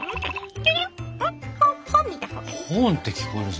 「本」って聞こえるぞ。